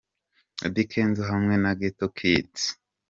Eddy Kenzo hamwe na Gheto Kids.